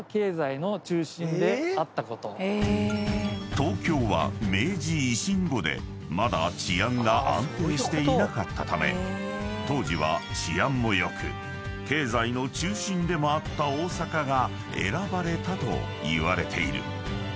［東京は明治維新後でまだ治安が安定していなかったため当時は治安も良く経済の中心でもあった大阪が選ばれたといわれている］